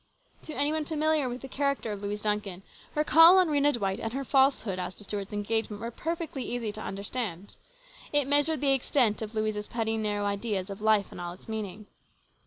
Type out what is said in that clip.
To any one familiar with the character of Louise Duncan her call on Rhena Dwight and her falsehood as to Stuart's engagement were perfectly easy to understand. It measured the extent of Louise's petty, narrow ideas of life and all its meaning.